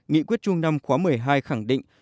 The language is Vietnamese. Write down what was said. nghị quyết trung năm khóa một mươi hai khẳng định